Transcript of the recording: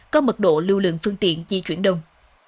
có mật độ lưu lượng phương tiện di chuyển đông